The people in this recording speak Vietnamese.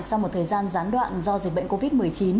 sau một thời gian gián đoạn do dịch bệnh covid một mươi chín